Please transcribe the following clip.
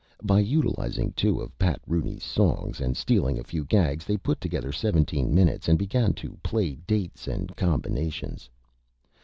By utilizing two of Pat Rooney's Songs and stealing a few Gags, they put together Seventeen Minutes and began to play Dates and Combinations.